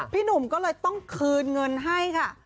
พี่หนุ่มก็เลยต้องคืนเงินให้ค่ะ